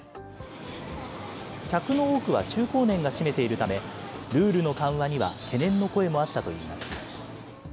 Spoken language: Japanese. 客の多くは中高年が占めているため、ルールの緩和には懸念の声もあったといいます。